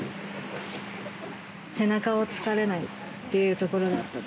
背中をつかれないというところだったり。